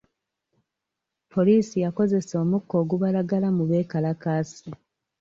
Poliisi yakozesa omukka ogubalagala ku beekalakaasi.